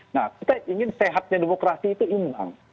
nah kita ingin sehatnya demokrasi itu imbang